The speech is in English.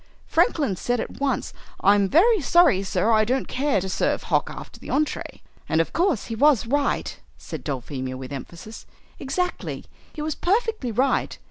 Franklin said at once, 'I'm very sorry, sir, I don't care to serve hock after the entree!'" "And of course he was right," said Dulphemia with emphasis. "Exactly; he was perfectly right.